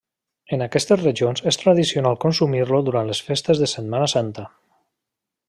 En aquestes regions és tradicional consumir-lo durant les festes de Setmana Santa.